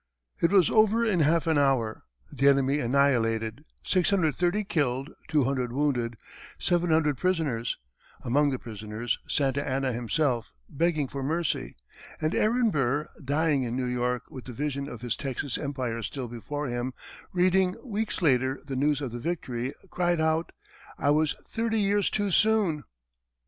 It was over in half an hour the enemy annihilated, 630 killed, 200 wounded, 700 prisoners among the prisoners Santa Anna himself, begging for mercy. And Aaron Burr, dying in New York with the vision of his Texan empire still before him, reading, weeks later, the news of the victory, cried out, "I was thirty years too soon!"